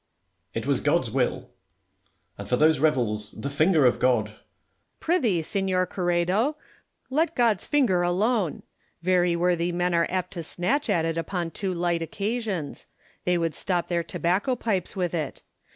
] Merino. It was God's will. As for those rebels, the finger of God Lacy. Pry thee, Seuor Ouredo, let God's finger alone. Very worthy men are apt to snatch at it upon too light occasions : they would stop their tobacco pipes with it.